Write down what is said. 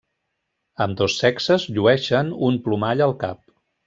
Ambdós sexes llueixen un plomall al cap.